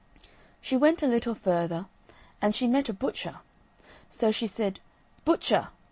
She went a little further, and she met a butcher. So she said: "Butcher!